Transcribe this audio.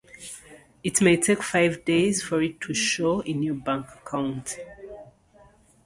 It may take five days for it to show in your bank account.